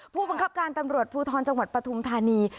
ผู้บังคับการตำรวจภูทรจังหวัดปฐุมธานี